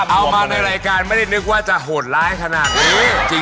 เอามาในรายการไม่ได้นึกว่าจะโหดร้ายขนาดนี้